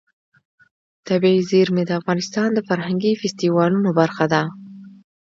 طبیعي زیرمې د افغانستان د فرهنګي فستیوالونو برخه ده.